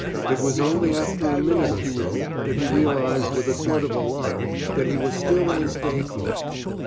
It was only after a minute or so that he realized with a sort of alarm that he was still in his day clothes.